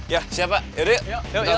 ya siap pak yuk yuk